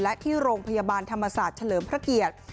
และที่โรงพยาบาลธรรมศาสตร์เฉลิมพระเกียรติ